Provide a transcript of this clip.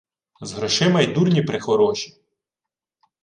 З грошима й дурні прехороші!